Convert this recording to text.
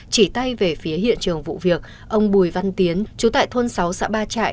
chỉ tay về phía hiện trường vụ việc ông bùi văn tiến chú tại thôn sáu xã ba trại